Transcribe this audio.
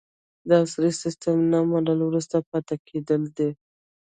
د عصري سیستم نه منل وروسته پاتې کیدل دي.